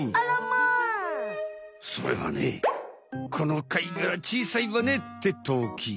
それはね「この貝がら小さいわね」ってとき。